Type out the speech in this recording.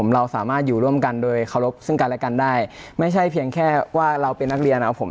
เราสามารถอยู่ร่วมกันโดยเคารพซึ่งกันและกันได้ไม่ใช่เพียงแค่ว่าเราเป็นนักเรียนนะครับผม